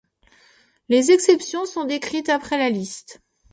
Les exceptions sont décrites après la liste.